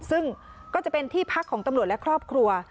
ซึ่งก็จะเป็นที่พักของตำรวจและครอบครัว